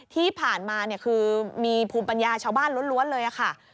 ที่ผ่านมาคือมีภูมิปัญญาชาวบ้านล้วนเลยค่ะ